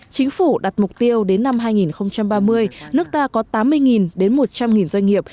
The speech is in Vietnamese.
chính phủ đặt mục tiêu đến năm hai nghìn ba mươi nước ta có tám mươi đến một trăm linh doanh nghiệp